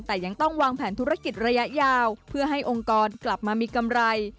แต่ยังต้องวางแผนธุรกิจระยะยาวเพื่อให้องค์กรกลับมามีกำไร